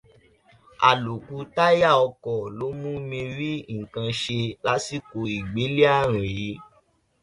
Àlòkù táyà ọkọ̀ ló mú mi rí nǹkan ṣe lásìkò ìgbélé ààrùn yìí.